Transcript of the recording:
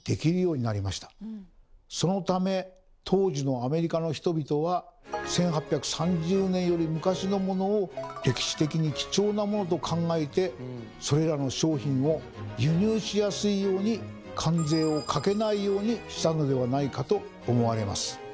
そのため当時のアメリカの人々は１８３０年より昔のモノを歴史的に貴重なモノと考えてそれらの商品を輸入しやすいように関税をかけないようにしたのではないかと思われます。